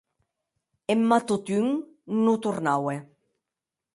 Emma, totun, non tornaue.